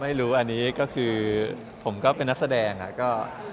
ไม่รู้อันนี้ก็คือผมก็เป็นนักแสดงแล้วก็